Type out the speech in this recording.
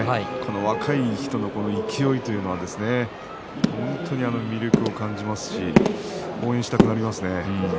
若い人の勢いというのは本当に魅力を感じますし応援したくなりますね。